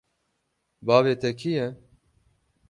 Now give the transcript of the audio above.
Bavê te kî ye?